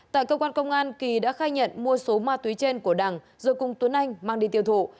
tại cơ quan công an kỳ đã khai nhận mua số ma túy trên của đàng rồi cùng tuấn anh mang đi tiêu thụ